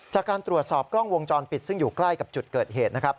จากการตรวจสอบกล้องวงจรปิดซึ่งอยู่ใกล้กับจุดเกิดเหตุนะครับ